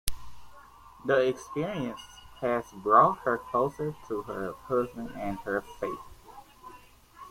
The experience has brought her closer to her husband and her faith.